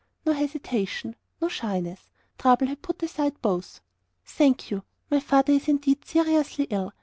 No hesitation, no shyness; trouble had put aside both. "Thank you, my father is indeed seriously ill.